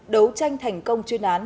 đấu tranh thành công chuyên án